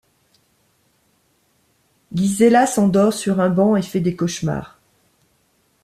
Gisela s'endort sur un banc et fait des cauchemars.